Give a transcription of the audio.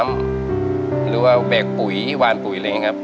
หรือว่าเวกปุ๋ยวานปุ๋ยเลยครับ